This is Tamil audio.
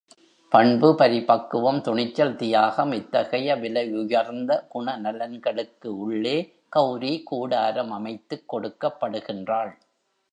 பண்பு, பரிபக்குவம், துணிச்சல், தியாகம் இத்தகைய விலையுயர்ந்த குணநலன்களுக்கு உள்ளே கெளரி கூடாரம் அமைத்துக் கொடுக்கப் படுகின்றாள்.